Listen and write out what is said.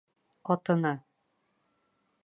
Ҡатыны: